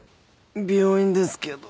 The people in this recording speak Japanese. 病院ですけど